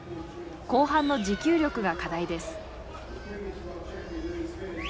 後半の持久力が課題です。